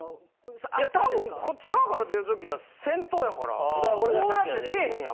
たぶんこっち側から出る時は先頭やからこうやって出えへんやん。